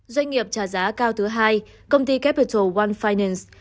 doanh nghiệp trả giá cao thứ hai công ty capital world finance